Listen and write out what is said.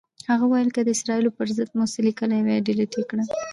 هغه ویل که د اسرائیلو پر ضد مو څه لیکلي وي، ډیلیټ یې کړئ.